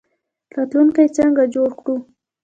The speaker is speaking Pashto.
راتلونکی څنګه جوړ کړو؟